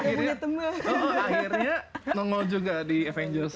akhirnya nongol juga di avengers